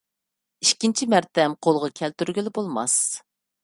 ئىككىنچى مەرتەم قولغا كەلتۈرگىلى بولماس.